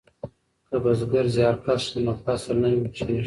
که بزګر زیارکښ وي نو فصل نه وچیږي.